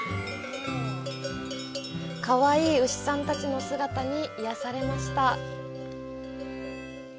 かわいい牛さんたちの姿に癒やされました。